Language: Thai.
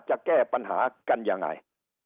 จะแก้ปัญหากันยังไง